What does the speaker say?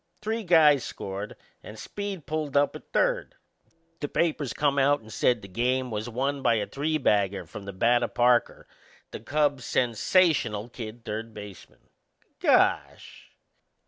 Three guys scored and Speed pulled up at third. The papers come out and said the game was won by a three bagger from the bat o' Parker, the Cubs' sensational kid third baseman. Gosh!